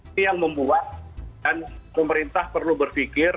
itu yang membuat pemerintah perlu berpikir